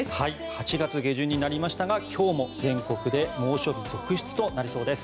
８月下旬になりましたが今日も全国で猛暑日続出となりそうです。